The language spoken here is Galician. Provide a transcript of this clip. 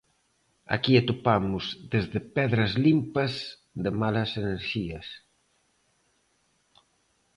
Aquí atopamos desde pedras limpas de malas enerxías...